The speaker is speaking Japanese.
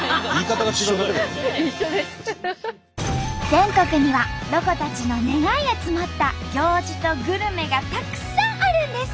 全国にはロコたちの願いが詰まった行事とグルメがたくさんあるんです。